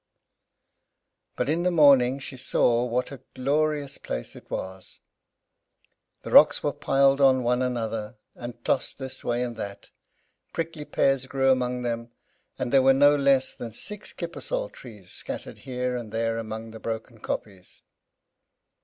But, in the morning, she saw what a glorious place it was. The rocks were piled on one another, and tossed this way and that. Prickly pears grew among them, and there were no less than six kippersol trees scattered here and there among the broken kopjes.